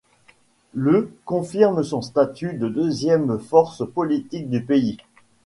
Le confirme son statut de deuxième force politique du pays.